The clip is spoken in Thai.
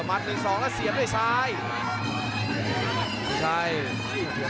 มาทย์๑๒แล้วเสียดด้วยซ้ายเออ